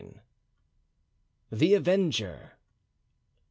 The Avenger.